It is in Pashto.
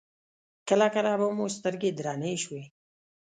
کله کله به مو سترګې درنې شوې.